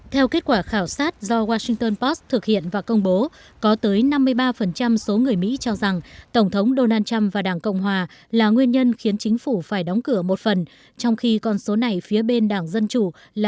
theo kết quả khảo sát do washington post thực hiện và công bố có tới năm mươi ba số người mỹ cho rằng tổng thống donald trump và đảng cộng hòa là nguyên nhân khiến chính phủ phải đóng cửa một phần trong khi con số này phía bên đảng dân chủ là